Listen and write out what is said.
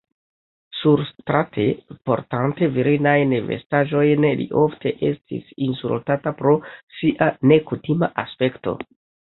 Surstrate, portante virinajn vestaĵojn, li ofte estis insultata pro sia nekutima aspekto.